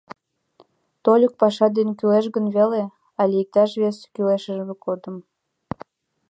Тольык паша дене кӱлеш гын веле... але иктаж вес кӱлешыже годым.